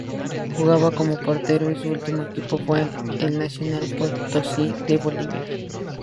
Jugaba como portero y su último equipo fue el Nacional Potosí de Bolivia.